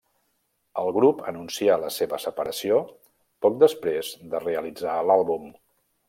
El grup anuncià la seva separació poc després de realitzar l'àlbum.